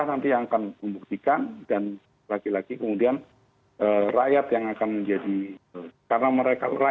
poinstat info into nanti nanti ada pengelolaan merata